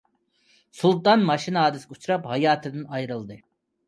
سۇلتان ماشىنا ھادىسىسىگە ئۇچراپ، ھاياتىدىن ئايرىلىدۇ.